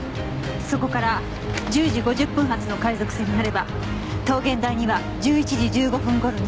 そこから１０時５０分発の海賊船に乗れば桃源台には１１時１５分頃に着く。